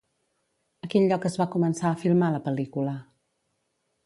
A quin lloc es va començar a filmar la pel·lícula?